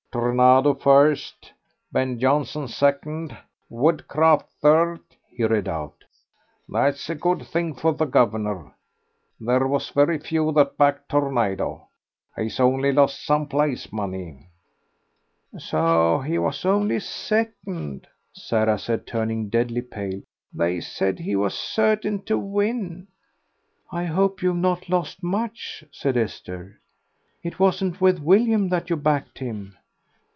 "Tornado first, Ben Jonson second, Woodcraft third," he read out. "That's a good thing for the guv'nor. There was very few what backed Tornado.... He's only lost some place money." "So he was only second," said Sarah, turning deadly pale. "They said he was certain to win." "I hope you've not lost much," said Esther. "It wasn't with William that you backed him."